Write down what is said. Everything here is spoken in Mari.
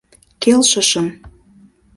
Келшышым.